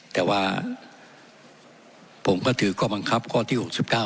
แต่ว่าผมก็ถือข้อบังคับข้อที่๖๙